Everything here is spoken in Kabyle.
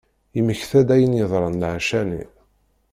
Yemmekta-d ayen yeḍran laɛca-nni.